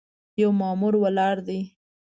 یو مامور ولاړ دی.